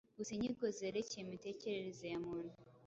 gusa inyigo zerekeye imitekerereze ya muntu